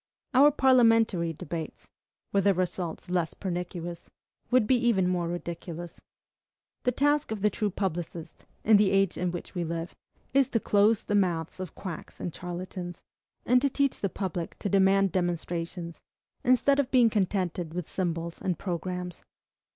Our parliamentary debates were their results less pernicious would be even more ridiculous. The task of the true publicist, in the age in which we live, is to close the mouths of quacks and charlatans, and to teach the public to demand demonstrations, instead of being contented with symbols and programmes.